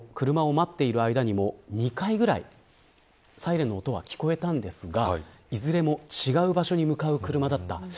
待っている間も２回くらいサイレンの音が聞こえましたがいずれも違う場所に向かう車でした。